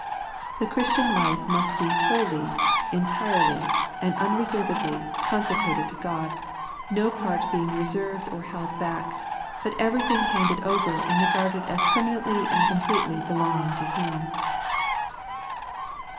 The Christian life must be wholly, entirely, and unreservedly con secrated to God, no part being reserved or held back, but everything handed over and regarded as permanently and completely belonging to Him.